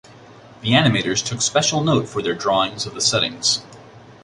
The animators took special note for their drawings of the settings.